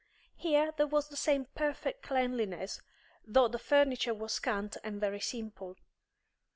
Here there was the same perfect cleanliness, though the furniture was scant and very simple.